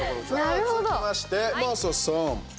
続きまして、真麻さん。